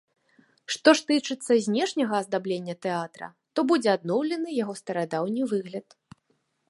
Што ж тычыцца знешняга аздаблення тэатра, то будзе адноўлены яго старадаўні выгляд.